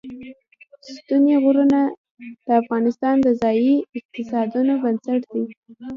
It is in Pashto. ستوني غرونه د افغانستان د ځایي اقتصادونو بنسټ دی.